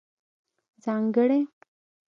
ځانګړنې: